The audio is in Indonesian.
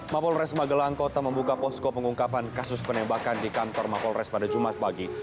mapolres magelang kota membuka posko pengungkapan kasus penembakan di kantor mapolres pada jumat pagi